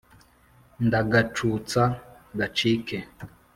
ndagacutsa gacike